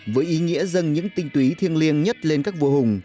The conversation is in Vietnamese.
với ý nghĩa dâng những tinh túy thiêng liêng nhất lên các vua hùng